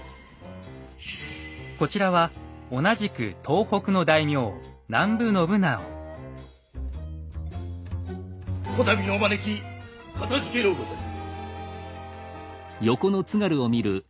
こちらは同じく東北の大名此度のお招きかたじけのうござる。